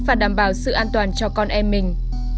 và đảm bảo sự an toàn cho con em mình